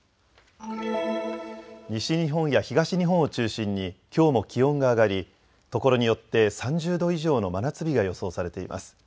西日本や東日本を中心にきょうも気温が上がりところによって３０度以上の真夏日が予想されています。